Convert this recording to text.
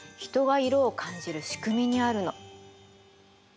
人が色を感じる仕組みにあるの。